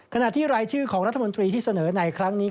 ขณะที่รายชื่อของรัฐมนตรีที่เสนอในครั้งนี้